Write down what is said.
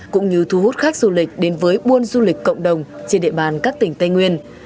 cũng như thu hút khách du lịch đến với buôn du lịch cộng đồng trên địa bàn các tỉnh tây nguyên